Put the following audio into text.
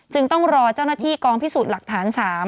ต้องรอเจ้าหน้าที่กองพิสูจน์หลักฐาน๓